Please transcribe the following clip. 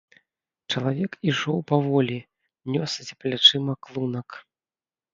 Чалавек ішоў паволі, нёс за плячыма клунак.